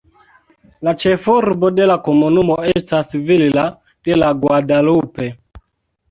La ĉefurbo de la komunumo estas Villa de Guadalupe.